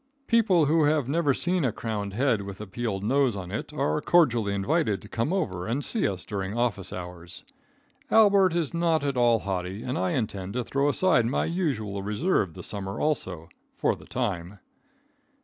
People who have never seen a crowned head with a peeled nose on it are cordially invited to come over and see us during office hours. Albert is not at all haughty, and I intend to throw aside my usual reserve this summer also for the time.